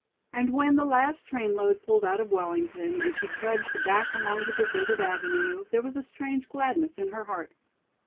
And when the last train load pulled out of Wellington, and she trudged back along the deserted avenue, there was a strange gladness in her heart.